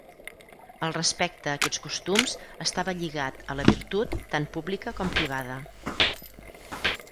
El respecte a aquests costums estava lligat a la virtut, tant pública com privada.